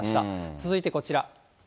続いてこちら。